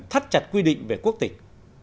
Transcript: thắt chặt quy định về quốc tịch